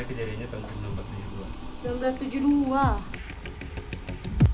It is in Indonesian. ini kira kira kejadiannya tahun seribu sembilan ratus tujuh puluh dua